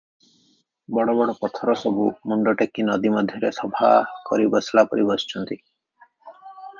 ବଡ଼ ବଡ଼ ପଥର ସବୁ ମୁଣ୍ଡ ଟେକି ନଦୀମଧ୍ୟରେ ସଭା କରି ବସିଲା ପରି ବସିଛନ୍ତି ।